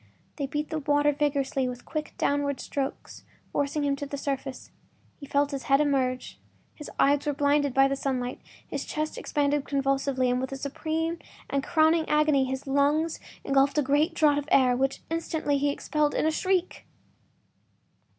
They beat the water vigorously with quick, downward strokes, forcing him to the surface. He felt his head emerge; his eyes were blinded by the sunlight; his chest expanded convulsively, and with a supreme and crowning agony his lungs engulfed a great draught of air, which instantly he expelled in a shriek!